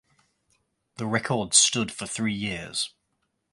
The record stood for three years.